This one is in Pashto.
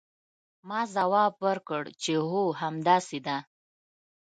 ما ځواب ورکړ چې هو همداسې ده.